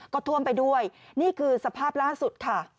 ก็ท่วมไปด้วยนี่คือสภาพล่าสุดค่ะ